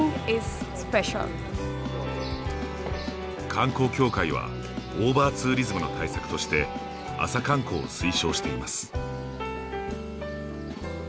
観光協会はオーバーツーリズムの対策として朝観光を推奨しています。